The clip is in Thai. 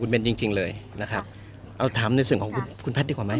เป็นจริงจริงเลยนะครับเอาถามในส่วนของคุณแพทย์ดีกว่าไหม